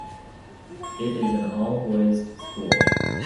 It is an all-boys school.